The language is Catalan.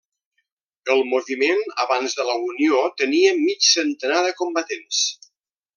El moviment abans de la unió tenia mig centenar de combatents.